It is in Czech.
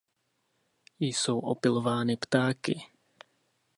Jsou opylovány ptáky.